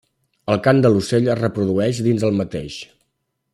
El cant de l'ocell es reprodueix dins el mateix.